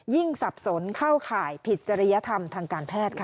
สับสนเข้าข่ายผิดจริยธรรมทางการแพทย์ค่ะ